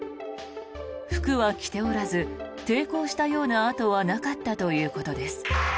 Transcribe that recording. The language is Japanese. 服は着ておらず抵抗したような痕はなかったということです。